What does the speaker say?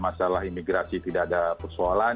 masalah imigrasi tidak ada persoalan